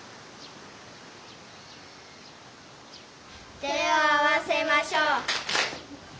手を合わせましょう。